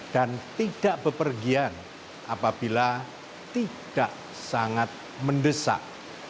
dan tidak bepergian apabila tidak sangat mendesak